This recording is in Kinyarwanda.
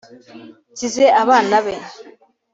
nsize abana be”